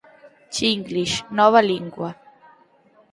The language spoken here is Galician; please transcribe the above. Chinglish, nova lingua